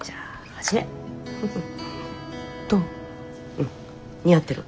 うん似合ってる。